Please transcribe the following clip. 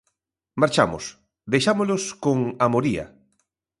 Marchamos, deixámolos con Amoría.